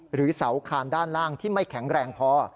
หรือเสาคานด้านล่างที่ไม่แข็งแรงพอ